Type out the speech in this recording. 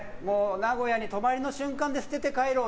名古屋に泊まりの瞬間で捨てて帰ろう。